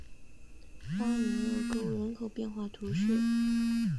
巴尼厄沟人口变化图示